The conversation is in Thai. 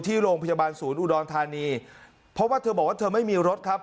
ที่โรงพยาบาลศูนย์อุดรธานีเพราะว่าเธอบอกว่าเธอไม่มีรถครับ